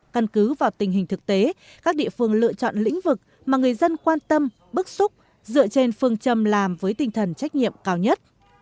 căn cứ vào tình hình thực tế các địa phương lựa chọn lĩnh vực mà người dân quan tâm bức xúc dựa trên phương trầm làm với tinh thần trách nhiệm cao nhất